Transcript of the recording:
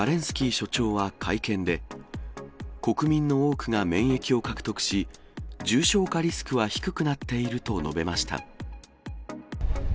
スキー所長は会見で、国民の多くが免疫を獲得し、重症化リスクは低くなっていると述べました。